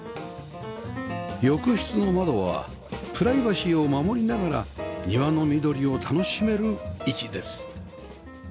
浴室の窓はプライバシーを守りながら庭の緑を楽しめる位置です